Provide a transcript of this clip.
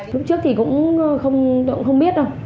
lúc trước thì cũng không biết đâu